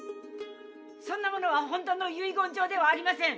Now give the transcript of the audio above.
そんなものは本当の遺言状ではありません！